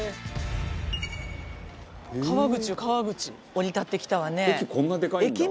降り立ってきたわね。